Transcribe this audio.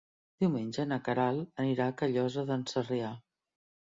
Diumenge na Queralt anirà a Callosa d'en Sarrià.